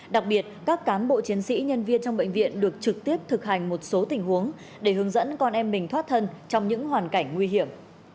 đặc biệt các cán bộ chiến sĩ nhân viên trong bệnh viện được trực tiếp thực hành một số tình huống để hướng dẫn con em mình thoát thân trong những hoàn cảnh nguy hiểm